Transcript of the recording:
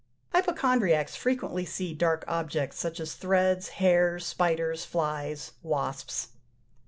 Hypochondriacs frequently see dark objects, such as threads, hairs, spiders, flies, wasps.